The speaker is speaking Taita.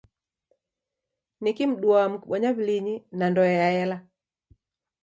Niki mduaa mukibonya w'ulinyi na ndoe yaela?